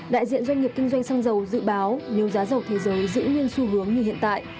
đại diện doanh nghiệp kinh doanh xăng dầu dự báo nếu giá dầu thế giới giữ nguyên xu hướng như hiện tại